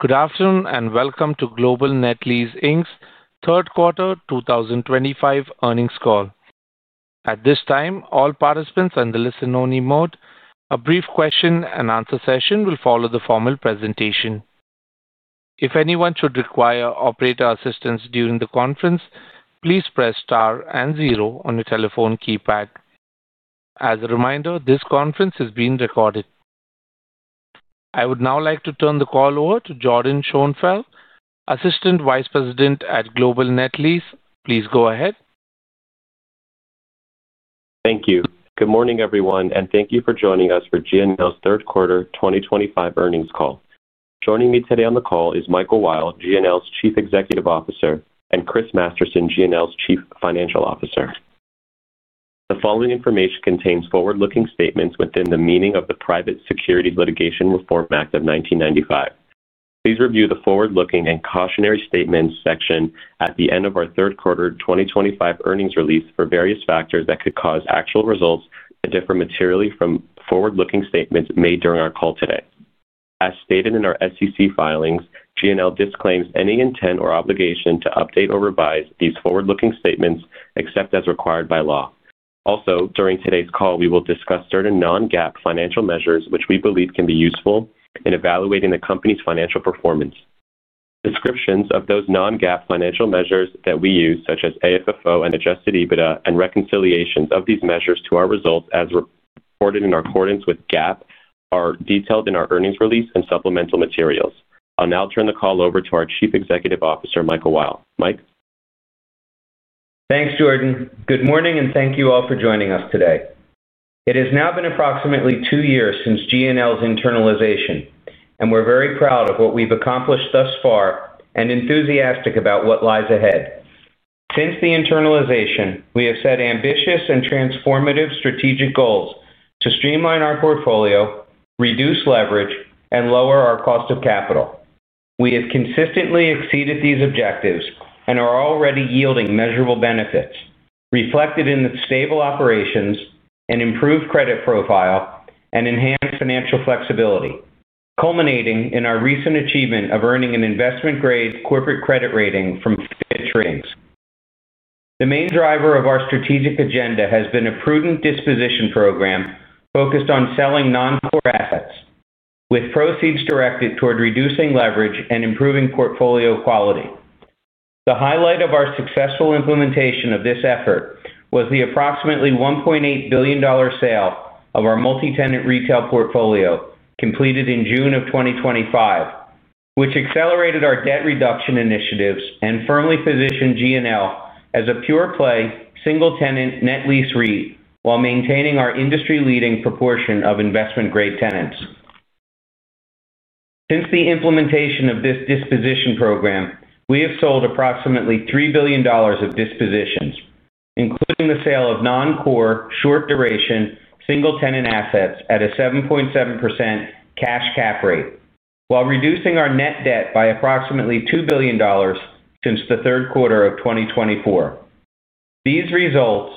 Good afternoon and welcome to Global Net Lease's third quarter 2025 earnings call. At this time, all participants are in the listen-only mode. A brief question-and-answer session will follow the formal presentation. If anyone should require operator assistance during the conference, please press star and zero on your telephone keypad. As a reminder, this conference is being recorded. I would now like to turn the call over to Jordyn Schoenfeld, Assistant Vice President at Global Net Lease. Please go ahead. Thank you. Good morning, everyone, and thank you for joining us for GNL's 3rd Quarter 2025 earnings call. Joining me today on the call is Michael Weil, GNL's Chief Executive Officer, and Chris Masterson, GNL's Chief Financial Officer. The following information contains forward-looking statements within the meaning of the Private Securities Litigation Reform Act of 1995. Please review the forward-looking and cautionary statements section at the end of our 3rd Quarter 2025 earnings release for various factors that could cause actual results to differ materially from forward-looking statements made during our call today. As stated in our SEC filings, GNL disclaims any intent or obligation to update or revise these forward-looking statements except as required by law. Also, during today's call, we will discuss certain non-GAAP financial measures which we believe can be useful in evaluating the company's financial performance. Descriptions of those non-GAAP financial measures that we use, such as AFFO and adjusted EBITDA, and reconciliations of these measures to our results as reported in accordance with GAAP, are detailed in our earnings release and supplemental materials. I'll now turn the call over to our Chief Executive Officer, Michael Weil. Mike. Thanks, Jordyn. Good morning, and thank you all for joining us today. It has now been approximately two years since GNL's internalization, and we're very proud of what we've accomplished thus far and enthusiastic about what lies ahead. Since the internalization, we have set ambitious and transformative strategic goals to streamline our portfolio, reduce leverage, and lower our cost of capital. We have consistently exceeded these objectives and are already yielding measurable benefits reflected in the stable operations, an improved credit profile, and enhanced financial flexibility, culminating in our recent achievement of earning an investment-grade corporate credit rating from Fitch Ratings. The main driver of our strategic agenda has been a prudent disposition program focused on selling non-core assets, with proceeds directed toward reducing leverage and improving portfolio quality. The highlight of our successful implementation of this effort was the approximately $1.8 billion sale of our multi-tenant retail portfolio completed in June of 2025, which accelerated our debt reduction initiatives and firmly positioned GNL as a pure-play, single-tenant net lease REIT while maintaining our industry-leading proportion of investment-grade tenants. Since the implementation of this disposition program, we have sold approximately $3 billion of dispositions, including the sale of non-core, short-duration, single-tenant assets at a 7.7% cash-cap rate, while reducing our net debt by approximately $2 billion since the third quarter of 2024. These results,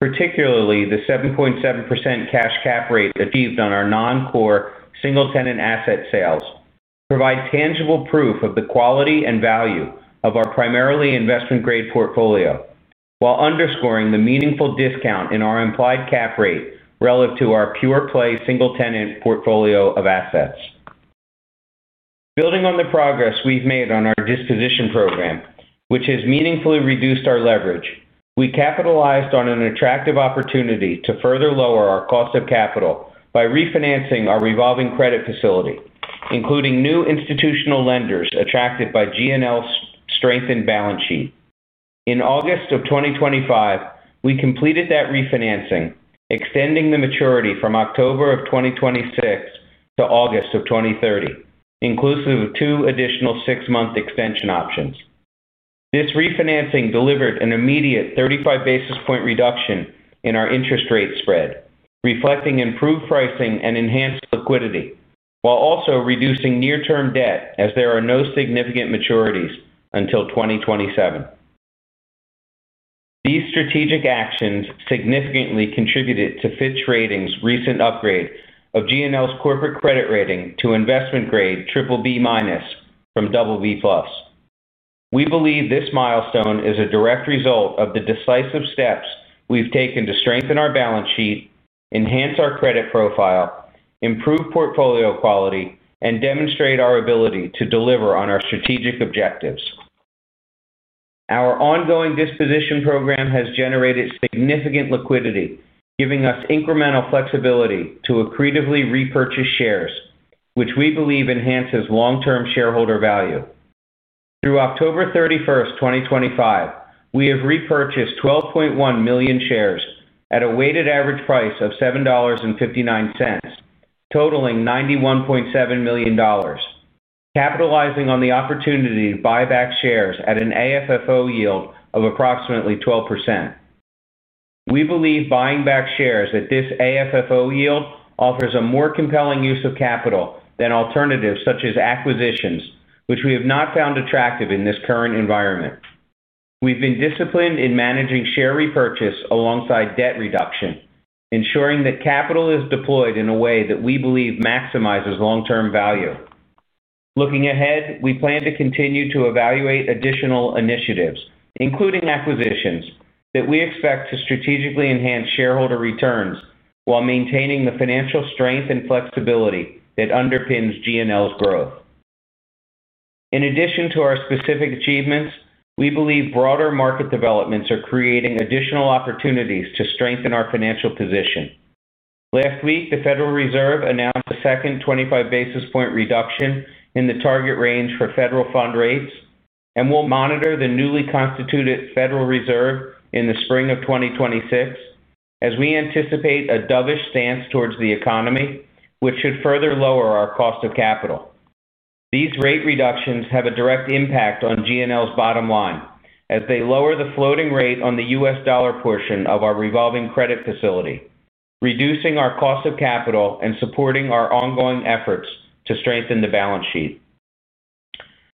particularly the 7.7% cash-cap rate achieved on our non-core, single-tenant asset sales, provide tangible proof of the quality and value of our primarily investment-grade portfolio, while underscoring the meaningful discount in our implied cap rate relative to our pure-play, single-tenant portfolio of assets. Building on the progress we've made on our disposition program, which has meaningfully reduced our leverage, we capitalized on an attractive opportunity to further lower our cost of capital by refinancing our revolving credit facility, including new institutional lenders attracted by GNL's strengthened balance sheet. In August of 2025, we completed that refinancing, extending the maturity from October of 2026 to August of 2030, inclusive of two additional six-month extension options. This refinancing delivered an immediate 35 basis point reduction in our interest rate spread, reflecting improved pricing and enhanced liquidity, while also reducing near-term debt as there are no significant maturities until 2027. These strategic actions significantly contributed to Fitch Ratings' recent upgrade of GNL's corporate credit rating to investment-grade BBB- from BBB+. We believe this milestone is a direct result of the decisive steps we've taken to strengthen our balance sheet, enhance our credit profile, improve portfolio quality, and demonstrate our ability to deliver on our strategic objectives. Our ongoing disposition program has generated significant liquidity, giving us incremental flexibility to accretively repurchase shares, which we believe enhances long-term shareholder value. Through October 31, 2025, we have repurchased 12.1 million shares at a weighted average price of $7.59, totaling $91.7 million. Capitalizing on the opportunity to buy back shares at an AFFO yield of approximately 12%. We believe buying back shares at this AFFO yield offers a more compelling use of capital than alternatives such as acquisitions, which we have not found attractive in this current environment. We've been disciplined in managing share repurchase alongside debt reduction, ensuring that capital is deployed in a way that we believe maximizes long-term value. Looking ahead, we plan to continue to evaluate additional initiatives, including acquisitions, that we expect to strategically enhance shareholder returns while maintaining the financial strength and flexibility that underpins GNL's growth. In addition to our specific achievements, we believe broader market developments are creating additional opportunities to strengthen our financial position. Last week, the Federal Reserve announced a second 25 basis point reduction in the target range for federal fund rates, and we'll monitor the newly constituted Federal Reserve in the spring of 2026 as we anticipate a dovish stance towards the economy, which should further lower our cost of capital. These rate reductions have a direct impact on GNL's bottom line as they lower the floating rate on the U.S. dollar portion of our revolving credit facility, reducing our cost of capital and supporting our ongoing efforts to strengthen the balance sheet.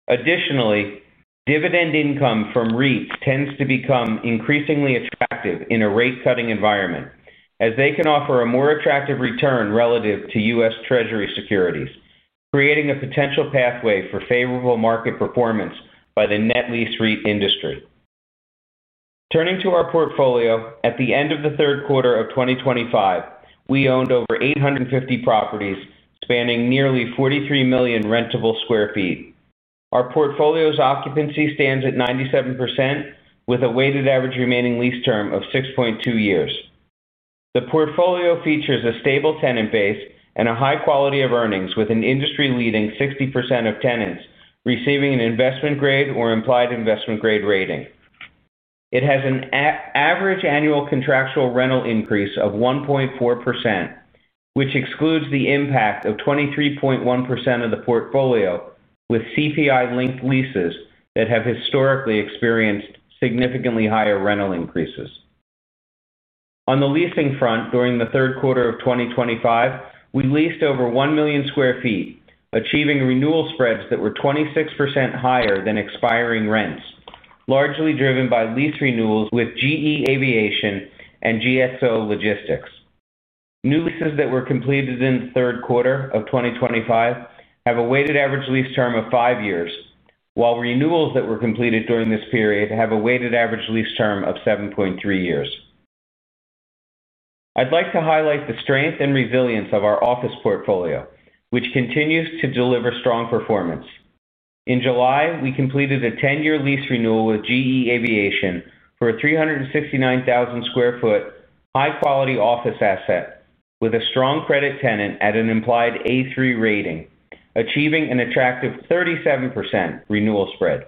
Additionally, dividend income from REITs tends to become increasingly attractive in a rate-cutting environment as they can offer a more attractive return relative to U.S. Treasury securities, creating a potential pathway for favorable market performance by the net lease REIT industry. Turning to our portfolio, at the end of the third quarter of 2025, we owned over 850 properties spanning nearly 43 million rentable sq ft. Our portfolio's occupancy stands at 97%, with a weighted average remaining lease term of 6.2 years. The portfolio features a stable tenant base and a high quality of earnings, with an industry-leading 60% of tenants receiving an investment-grade or implied investment-grade rating. It has an average annual contractual rental increase of 1.4%, which excludes the impact of 23.1% of the portfolio with CPI-linked leases that have historically experienced significantly higher rental increases. On the leasing front, during the third quarter of 2025, we leased over 1 million sq ft, achieving renewal spreads that were 26% higher than expiring rents, largely driven by lease renewals with GE Aviation and GSO Logistics. New leases that were completed in the third quarter of 2025 have a weighted average lease term of 5 years, while renewals that were completed during this period have a weighted average lease term of 7.3 years. I'd like to highlight the strength and resilience of our office portfolio, which continues to deliver strong performance. In July, we completed a 10-year lease renewal with GE Aviation for a 369,000 sq ft high-quality office asset with a strong credit tenant at an implied A3 rating, achieving an attractive 37% renewal spread.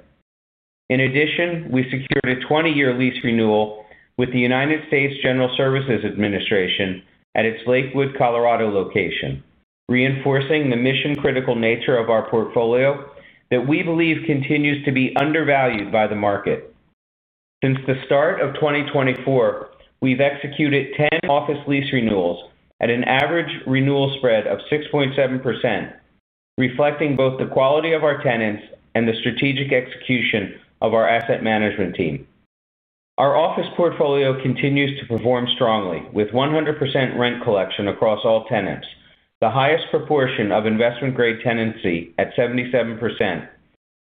In addition, we secured a 20-year lease renewal with the United States General Services Administration at its Lakewood, Colorado, location, reinforcing the mission-critical nature of our portfolio that we believe continues to be undervalued by the market. Since the start of 2024, we've executed 10 office lease renewals at an average renewal spread of 6.7%, reflecting both the quality of our tenants and the strategic execution of our asset management team. Our office portfolio continues to perform strongly, with 100% rent collection across all tenants, the highest proportion of investment-grade tenancy at 77%,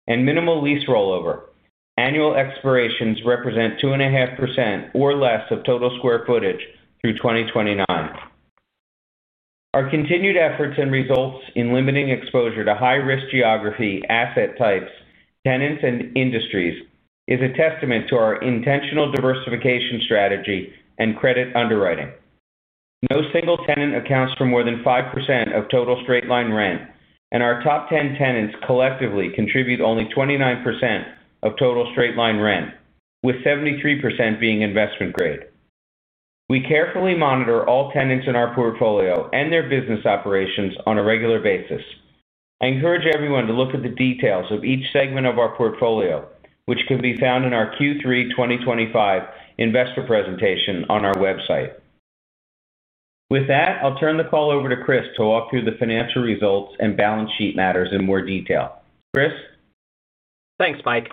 and minimal lease rollover. Annual expirations represent 2.5% or less of total square footage through 2029. Our continued efforts and results in limiting exposure to high-risk geography, asset types, tenants, and industries is a testament to our intentional diversification strategy and credit underwriting. No single tenant accounts for more than 5% of total straight-line rent, and our top 10 tenants collectively contribute only 29% of total straight-line rent, with 73% being investment-grade. We carefully monitor all tenants in our portfolio and their business operations on a regular basis. I encourage everyone to look at the details of each segment of our portfolio, which can be found in our Q3 2025 investor presentation on our website. With that, I'll turn the call over to Chris to walk through the financial results and balance sheet matters in more detail. Chris? Thanks, Mike.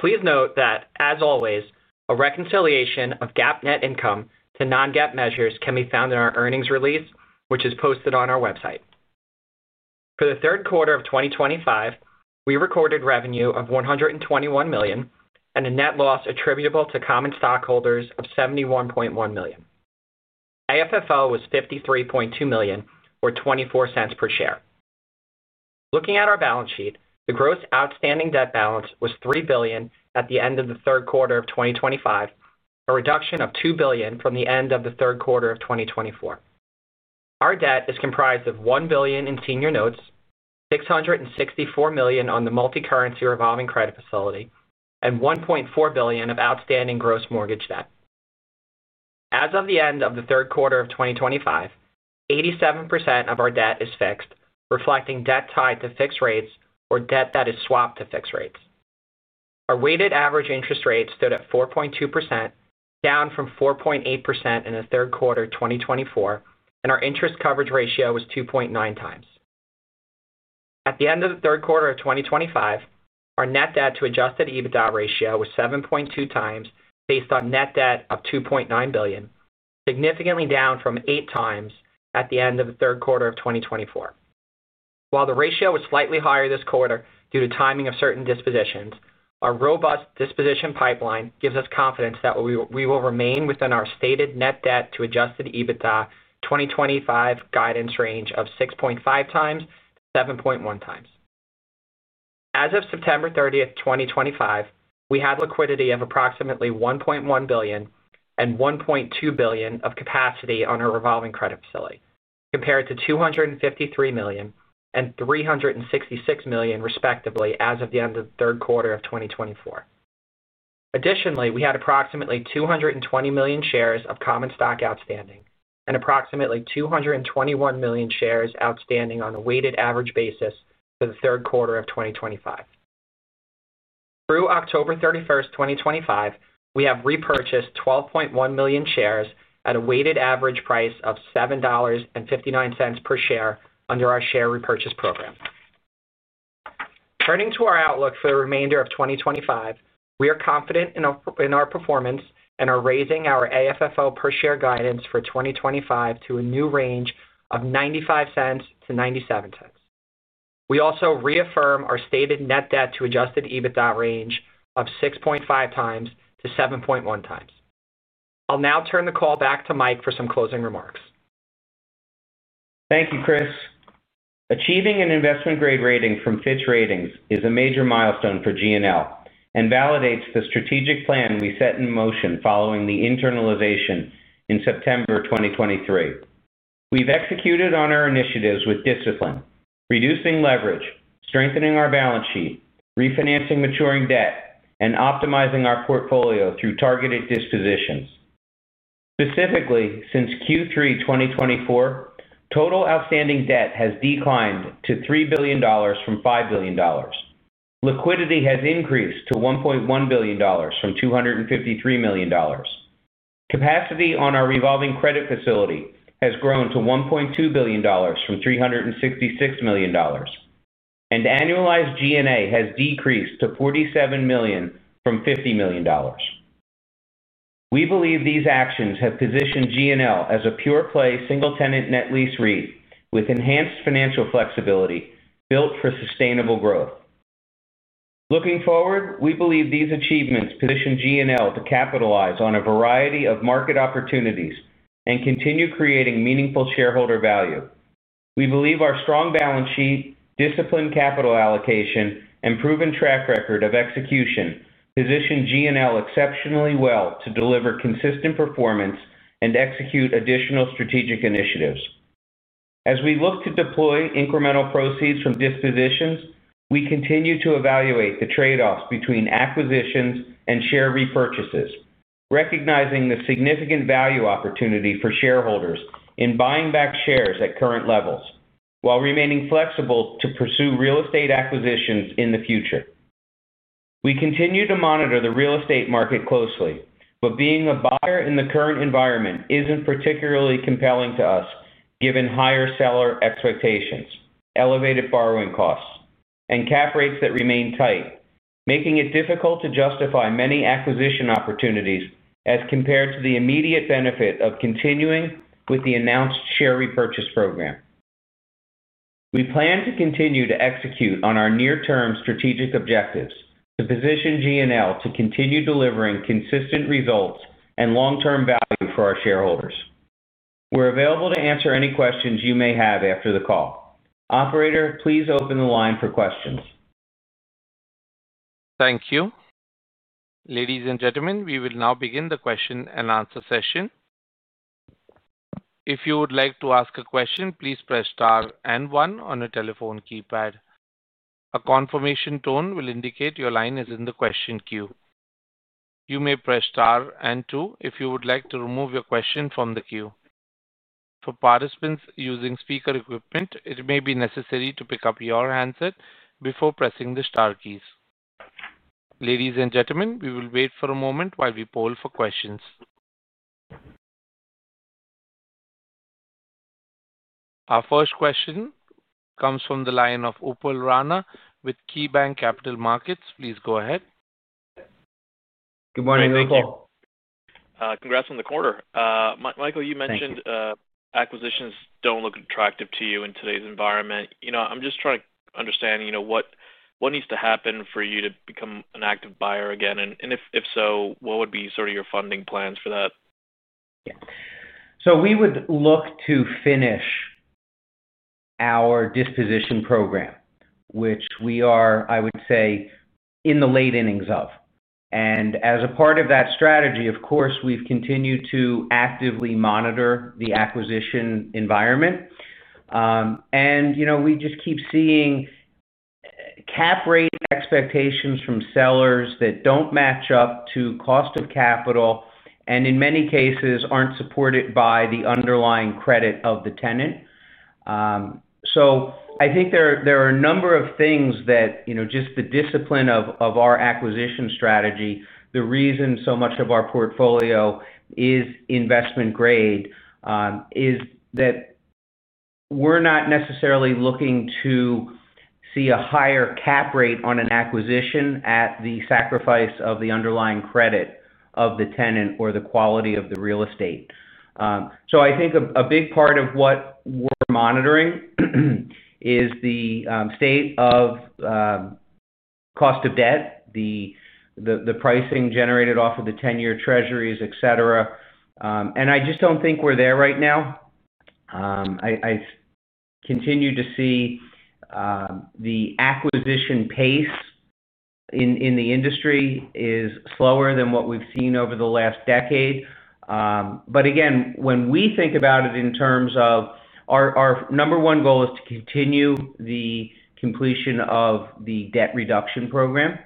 Please note that, as always, a reconciliation of GAAP net income to non-GAAP measures can be found in our earnings release, which is posted on our website. For the third quarter of 2025, we recorded revenue of $121 million and a net loss attributable to common stockholders of $71.1 million. AFFO was $53.2 million, or $0.24 per share. Looking at our balance sheet, the gross outstanding debt balance was $3 billion at the end of the third quarter of 2025, a reduction of $2 billion from the end of the third quarter of 2024. Our debt is comprised of $1 billion in senior notes, $664 million on the multi-currency revolving credit facility, and $1.4 billion of outstanding gross mortgage debt. As of the end of the third quarter of 2025, 87% of our debt is fixed, reflecting debt tied to fixed rates or debt that is swapped to fixed rates. Our weighted average interest rate stood at 4.2%, down from 4.8% in the third quarter of 2024, and our interest coverage ratio was 2.9x. At the end of the third quarter of 2025, our net debt to adjusted EBITDA ratio was 7.2x based on net debt of $2.9 billion, significantly down from 8x at the end of the third quarter of 2024. While the ratio was slightly higher this quarter due to timing of certain dispositions, our robust disposition pipeline gives us confidence that we will remain within our stated net debt to adjusted EBITDA 2025 guidance range of 6.5x-7.1x. As of September 30, 2025, we had liquidity of approximately $1.1 billion and $1.2 billion of capacity on our revolving credit facility, compared to $253 million and $366 million, respectively, as of the end of the third quarter of 2024. Additionally, we had approximately 220 million shares of common stock outstanding and approximately 221 million shares outstanding on a weighted average basis for the third quarter of 2025. Through October 31, 2025, we have repurchased 12.1 million shares at a weighted average price of $7.59 per share under our share repurchase program. Turning to our outlook for the remainder of 2025, we are confident in our performance and are raising our AFFO per share guidance for 2025 to a new range of $0.95-$0.97. We also reaffirm our stated net debt to adjusted EBITDA range of 6.5x-7.1x. I'll now turn the call back to Mike for some closing remarks. Thank you, Chris. Achieving an investment-grade rating from Fitch Ratings is a major milestone for GNL and validates the strategic plan we set in motion following the internalization in September 2023. We've executed on our initiatives with discipline, reducing leverage, strengthening our balance sheet, refinancing maturing debt, and optimizing our portfolio through targeted dispositions. Specifically, since Q3 2024, total outstanding debt has declined to $3 billion from $5 billion. Liquidity has increased to $1.1 billion from $253 million. Capacity on our revolving credit facility has grown to $1.2 billion from $366 million, and annualized G&A has decreased to $47 million from $50 million. We believe these actions have positioned GNL as a pure-play single-tenant net lease REIT with enhanced financial flexibility built for sustainable growth. Looking forward, we believe these achievements position GNL to capitalize on a variety of market opportunities and continue creating meaningful shareholder value. We believe our strong balance sheet, disciplined capital allocation, and proven track record of execution position GNL exceptionally well to deliver consistent performance and execute additional strategic initiatives. As we look to deploy incremental proceeds from dispositions, we continue to evaluate the trade-offs between acquisitions and share repurchases, recognizing the significant value opportunity for shareholders in buying back shares at current levels while remaining flexible to pursue real estate acquisitions in the future. We continue to monitor the real estate market closely, but being a buyer in the current environment is not particularly compelling to us given higher seller expectations, elevated borrowing costs, and cap rates that remain tight, making it difficult to justify many acquisition opportunities as compared to the immediate benefit of continuing with the announced share repurchase program. We plan to continue to execute on our near-term strategic objectives to position GNL to continue delivering consistent results and long-term value for our shareholders. We're available to answer any questions you may have after the call. Operator, please open the line for questions. Thank you. Ladies and gentlemen, we will now begin the question-and-answer session. If you would like to ask a question, please press star and one on a telephone keypad. A confirmation tone will indicate your line is in the question queue. You may press star and two if you would like to remove your question from the queue. For participants using speaker equipment, it may be necessary to pick up your handset before pressing the star keys. Ladies and gentlemen, we will wait for a moment while we poll for questions. Our first question comes from the line of Upal Rana with KeyBanc Capital Markets. Please go ahead. Good morning, Michael. Thank you. Congrats on the quarter. Michael, you mentioned acquisitions do not look attractive to you in today's environment. I'm just trying to understand what needs to happen for you to become an active buyer again, and if so, what would be sort of your funding plans for that? Yeah. We would look to finish our disposition program, which we are, I would say, in the late innings of. As a part of that strategy, of course, we've continued to actively monitor the acquisition environment. We just keep seeing cap rate expectations from sellers that do not match up to cost of capital and, in many cases, are not supported by the underlying credit of the tenant. I think there are a number of things that just the discipline of our acquisition strategy, the reason so much of our portfolio is investment-grade, is that we are not necessarily looking to see a higher cap rate on an acquisition at the sacrifice of the underlying credit of the tenant or the quality of the real estate. I think a big part of what we are monitoring is the state of cost of debt, the. Pricing generated off of the 10-year treasuries, etc. I just do not think we are there right now. I continue to see the acquisition pace in the industry is slower than what we have seen over the last decade. Again, when we think about it in terms of our number one goal, it is to continue the completion of the debt reduction program.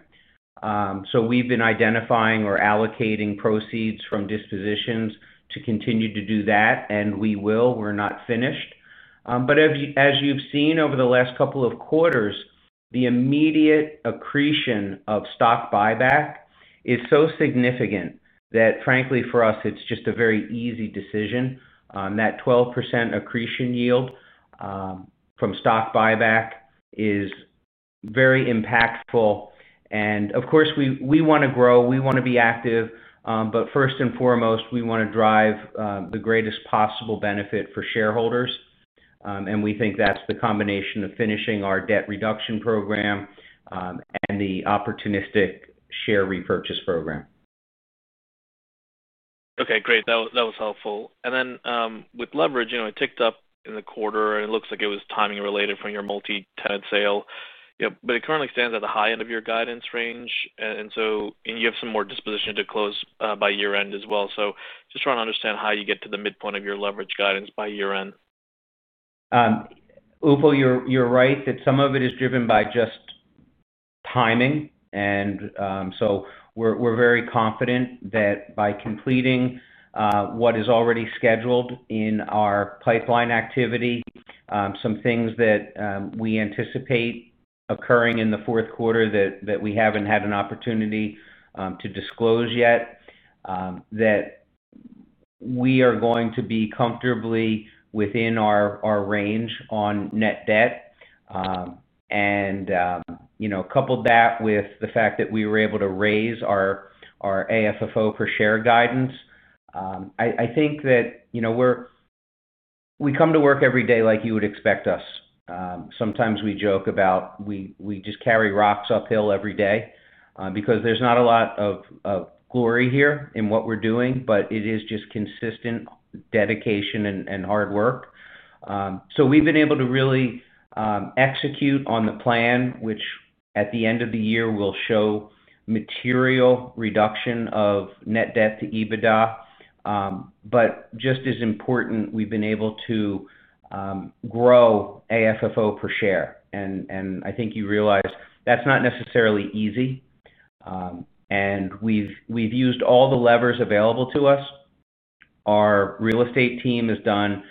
We have been identifying or allocating proceeds from dispositions to continue to do that, and we will. We are not finished. As you have seen over the last couple of quarters, the immediate accretion of stock buyback is so significant that, frankly, for us, it is just a very easy decision. That 12% accretion yield from stock buyback is very impactful. Of course, we want to grow. We want to be active. First and foremost, we want to drive the greatest possible benefit for shareholders. We think that's the combination of finishing our debt reduction program and the opportunistic share repurchase program. Okay. Great. That was helpful. Then with leverage, it ticked up in the quarter, and it looks like it was timing related from your multi-tenant sale. It currently stands at the high end of your guidance range, and you have some more disposition to close by year-end as well. Just trying to understand how you get to the midpoint of your leverage guidance by year-end. Upal, you're right that some of it is driven by just timing. We're very confident that by completing what is already scheduled in our pipeline activity, some things that we anticipate occurring in the fourth quarter that we haven't had an opportunity to disclose yet, we are going to be comfortably within our range on net debt. Couple that with the fact that we were able to raise our AFFO per share guidance. I think that we come to work every day like you would expect us. Sometimes we joke about we just carry rocks uphill every day because there's not a lot of glory here in what we're doing, but it is just consistent dedication and hard work. We've been able to really execute on the plan, which at the end of the year will show material reduction of net debt to EBITDA. Just as important, we've been able to grow AFFO per share. I think you realize that's not necessarily easy. We've used all the levers available to us. Our real estate team has done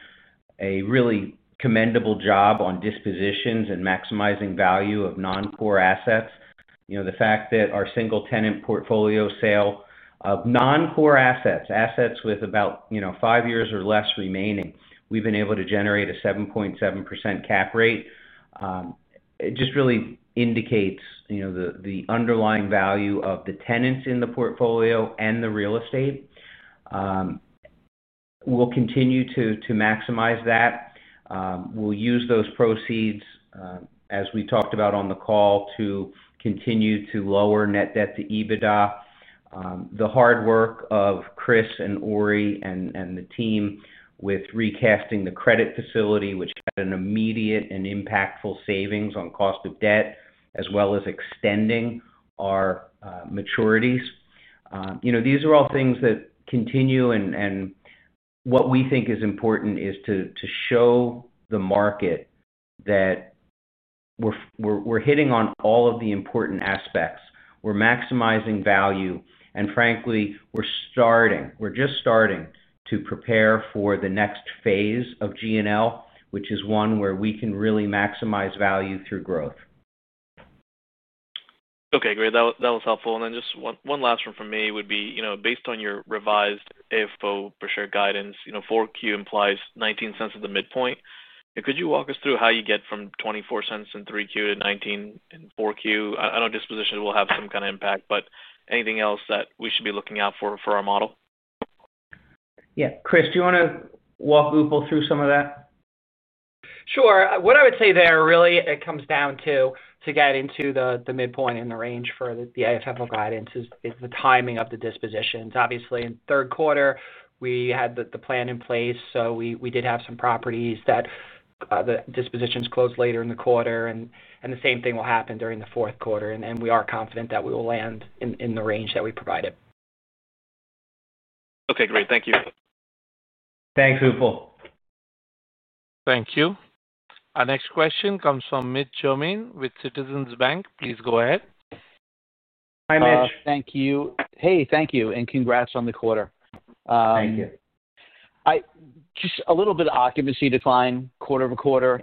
a really commendable job on dispositions and maximizing value of non-core assets. The fact that our single-tenant portfolio sale of non-core assets, assets with about five years or less remaining, we've been able to generate a 7.7% cap rate. It just really indicates the underlying value of the tenants in the portfolio and the real estate. We'll continue to maximize that. We'll use those proceeds, as we talked about on the call, to continue to lower net debt to EBITDA. The hard work of Chris and Ori and the team with recasting the credit facility, which had an immediate and impactful savings on cost of debt, as well as extending our maturities. These are all things that continue. What we think is important is to show the market that we are hitting on all of the important aspects. We are maximizing value. Frankly, we are starting—we are just starting—to prepare for the next phase of GNL, which is one where we can really maximize value through growth. Okay. Great. That was helpful. Then just one last one from me would be, based on your revised AFFO per share guidance, Q4 implies $0.19 at the midpoint. Could you walk us through how you get from $0.24 in Q3 to $0.19 in Q4? I know disposition will have some kind of impact, but anything else that we should be looking out for for our model? Yeah. Chris, do you want to walk Upal through some of that? Sure. What I would say there really comes down to—to get into the midpoint and the range for the AFFO guidance—is the timing of the dispositions. Obviously, in the third quarter, we had the plan in place. We did have some properties that the dispositions closed later in the quarter. The same thing will happen during the fourth quarter. We are confident that we will land in the range that we provided. Okay. Great. Thank you. Thanks, Upal. Thank you. Our next question comes from Mitch Germain with Citizens Bank. Please go ahead. Hi, Mitch. Thank you. Hey, thank you. Congrats on the quarter. Thank you. Just a little bit of occupancy decline quarter-over-quarter.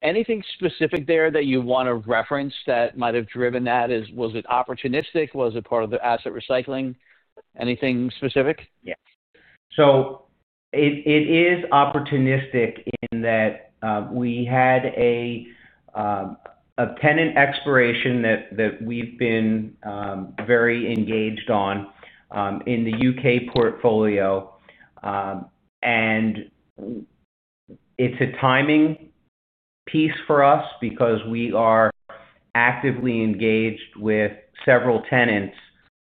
Anything specific there that you want to reference that might have driven that? Was it opportunistic? Was it part of the asset recycling? Anything specific? Yeah. It is opportunistic in that we had a tenant expiration that we've been very engaged on in the U.K. portfolio. It is a timing piece for us because we are actively engaged with several tenants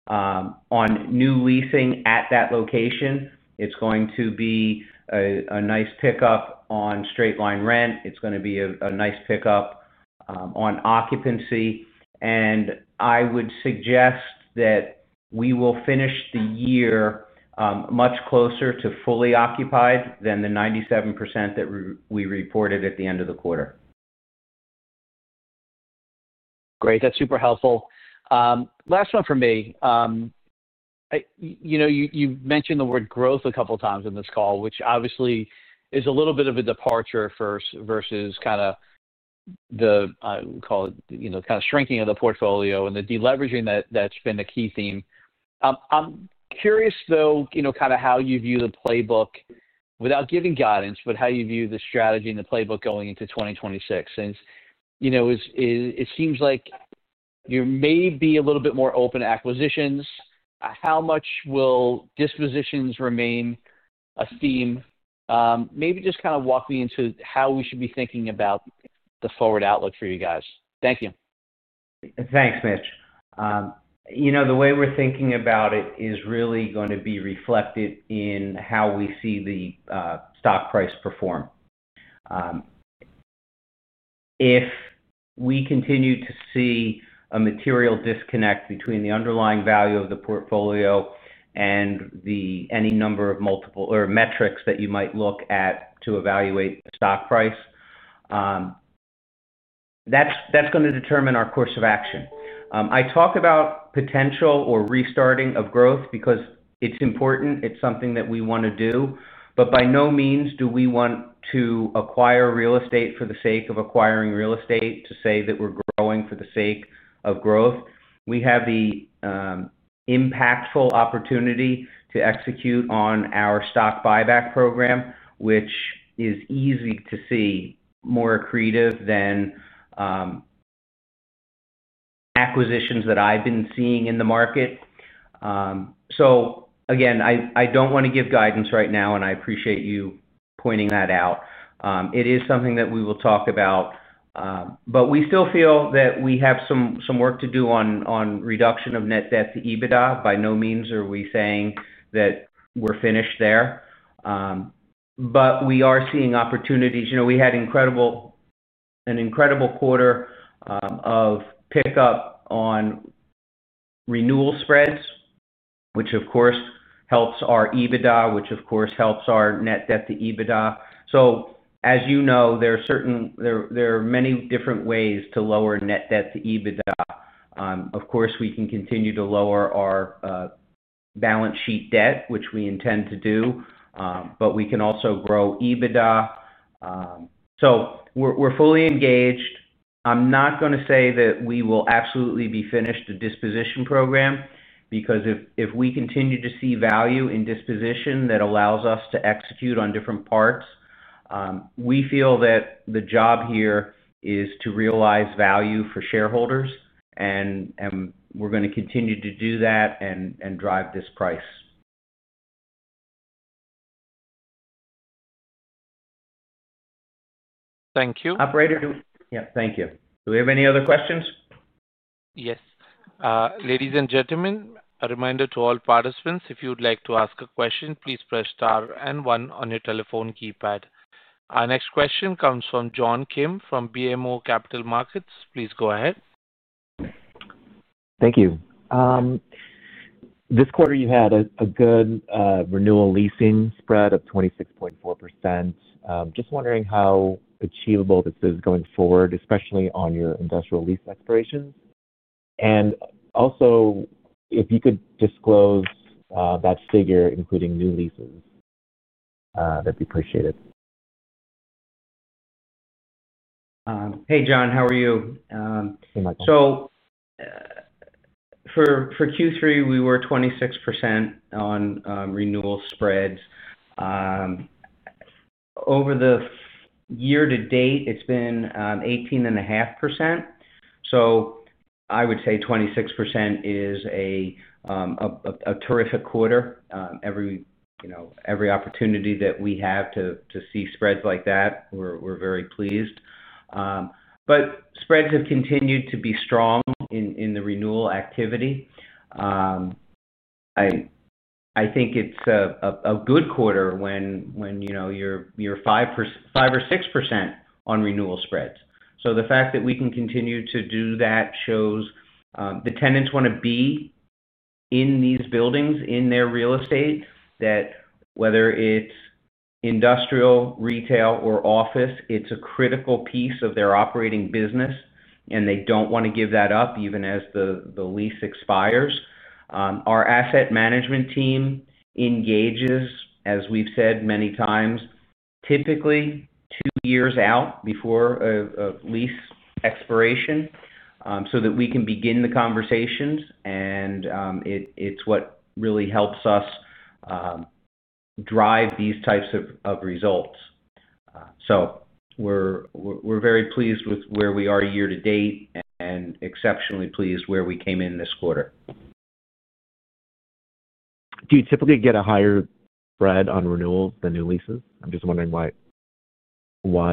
on new leasing at that location. It is going to be a nice pickup on straight-line rent. It is going to be a nice pickup on occupancy. I would suggest that we will finish the year much closer to fully occupied than the 97% that we reported at the end of the quarter. Great. That's super helpful. Last one for me. You've mentioned the word growth a couple of times in this call, which obviously is a little bit of a departure versus kind of—we'll call it—kind of shrinking of the portfolio and the deleveraging that's been a key theme. I'm curious, though, kind of how you view the playbook without giving guidance, but how you view the strategy and the playbook going into 2026. It seems like you may be a little bit more open to acquisitions. How much will dispositions remain a theme? Maybe just kind of walk me into how we should be thinking about the forward outlook for you guys. Thank you. Thanks, Mitch. The way we're thinking about it is really going to be reflected in how we see the stock price perform. If we continue to see a material disconnect between the underlying value of the portfolio and any number of multiple or metrics that you might look at to evaluate stock price, that's going to determine our course of action. I talk about potential or restarting of growth because it's important. It's something that we want to do. By no means do we want to acquire real estate for the sake of acquiring real estate to say that we're growing for the sake of growth. We have the impactful opportunity to execute on our stock buyback program, which is easy to see more accretive than acquisitions that I've been seeing in the market. Again, I do not want to give guidance right now, and I appreciate you pointing that out. It is something that we will talk about. We still feel that we have some work to do on reduction of net debt to EBITDA. By no means are we saying that we are finished there. We are seeing opportunities. We had an incredible quarter of pickup on renewal spreads, which of course helps our EBITDA, which of course helps our net debt to EBITDA. As you know, there are many different ways to lower net debt to EBITDA. Of course, we can continue to lower our balance sheet debt, which we intend to do. We can also grow EBITDA. We are fully engaged. I'm not going to say that we will absolutely be finished the disposition program because if we continue to see value in disposition that allows us to execute on different parts. We feel that the job here is to realize value for shareholders. We're going to continue to do that and drive this price. Thank you. Operator, yeah. Thank you. Do we have any other questions? Yes. Ladies and gentlemen, a reminder to all participants, if you would like to ask a question, please press star and one on your telephone keypad. Our next question comes from John Kim from BMO Capital Markets. Please go ahead. Thank you. This quarter, you had a good renewal leasing spread of 26.4%. Just wondering how achievable this is going forward, especially on your industrial lease expirations. Also, if you could disclose that figure, including new leases, that'd be appreciated. Hey, John. How are you? Hey, Michael. For Q3, we were 26% on renewal spreads. Over the year to date, it's been 18.5%. I would say 26% is a terrific quarter. Every opportunity that we have to see spreads like that, we're very pleased. Spreads have continued to be strong in the renewal activity. I think it's a good quarter when you're 5% or 6% on renewal spreads. The fact that we can continue to do that shows the tenants want to be in these buildings, in their real estate, that whether it's industrial, retail, or office, it's a critical piece of their operating business. They don't want to give that up even as the lease expires. Our asset management team engages, as we've said many times, typically two years out before a lease expiration so that we can begin the conversations. It's what really helps us. We're very pleased with where we are year to date and exceptionally pleased where we came in this quarter. Do you typically get a higher spread on renewals than new leases? I'm just wondering why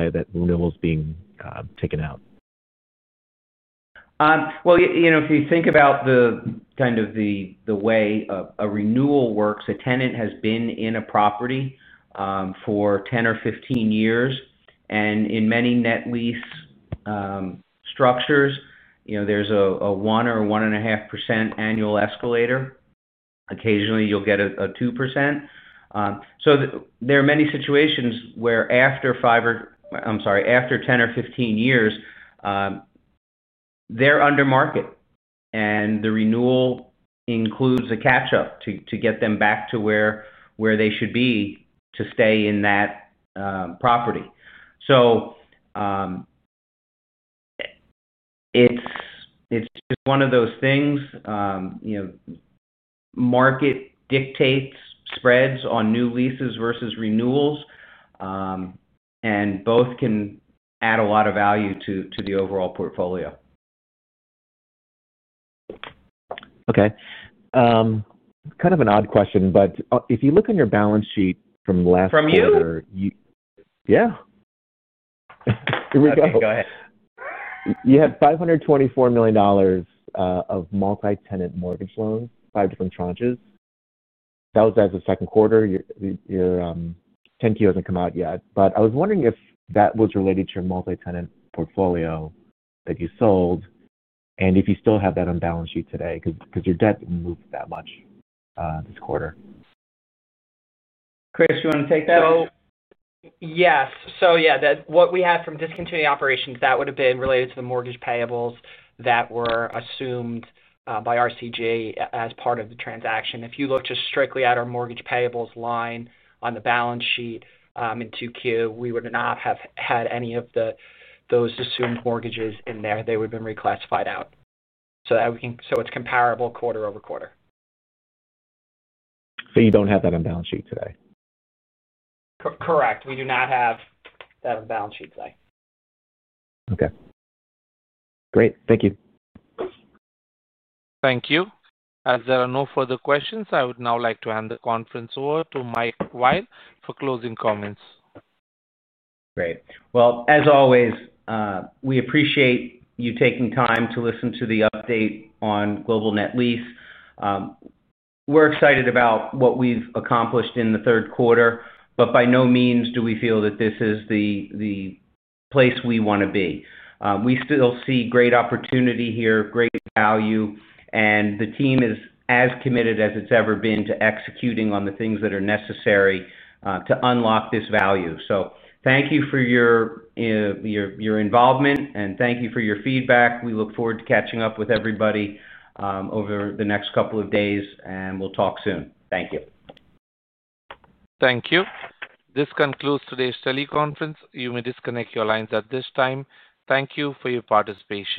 that renewal is being taken out. If you think about kind of the way a renewal works, a tenant has been in a property for 10 or 15 years. In many net lease structures, there is a 1% or 1.5% annual escalator. Occasionally, you will get a 2%. There are many situations where after 10 or 15 years, they are under market, and the renewal includes a catch-up to get them back to where they should be to stay in that property. It is just one of those things. Market dictates spreads on new leases versus renewals, and both can add a lot of value to the overall portfolio. Okay. Kind of an odd question, but if you look on your balance sheet from last quarter. From you? Yeah. Here we go. Okay. Go ahead. You had $524 million of multi-tenant mortgage loans, five different tranches. That was as of second quarter. Your 10-Q has not come out yet. I was wondering if that was related to your multi-tenant portfolio that you sold, and if you still have that on balance sheet today because your debt did not move that much this quarter. Chris, do you want to take that? Yes. So yeah, what we had from discontinuing operations, that would have been related to the mortgage payables that were assumed by RCG as part of the transaction. If you look just strictly at our mortgage payables line on the balance sheet in 2Q, we would not have had any of those assumed mortgages in there. They would have been reclassified out. So it's comparable quarter-over-quarter. You don't have that on balance sheet today? Correct. We do not have that on balance sheet today. Okay. Great. Thank you. Thank you. There are no further questions. I would now like to hand the conference over to Michael Weil for closing comments. Great. As always, we appreciate you taking time to listen to the update on Global Net Lease. We're excited about what we've accomplished in the third quarter, but by no means do we feel that this is the place we want to be. We still see great opportunity here, great value, and the team is as committed as it's ever been to executing on the things that are necessary to unlock this value. Thank you for your involvement, and thank you for your feedback. We look forward to catching up with everybody over the next couple of days, and we'll talk soon. Thank you. Thank you. This concludes today's teleconference. You may disconnect your lines at this time. Thank you for your participation.